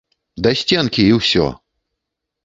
Да сценкі, і ўсё!